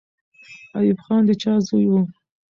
ایوب خان د چا زوی وو؟